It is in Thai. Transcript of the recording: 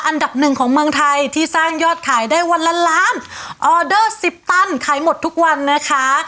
อันดับหนึ่งของเมืองไทยที่สร้างยอดขายได้วันละล้านออเดอร์สิบตันขายหมดทุกวันนะคะ